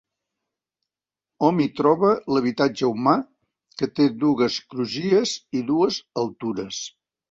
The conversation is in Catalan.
Hom hi troba l’habitatge humà que té dues crugies i dues altures.